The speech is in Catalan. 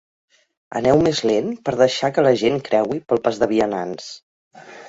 Aneu més lent per deixar que la gent creui pel pas de vianants.